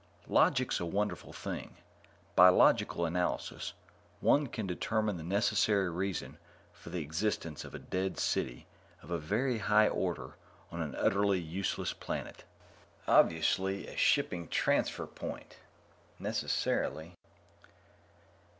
] _Logic's a wonderful thing; by logical analysis, one can determine the necessary reason for the existence of a dead city of a very high order on an utterly useless planet. Obviously a shipping transfer point! Necessarily...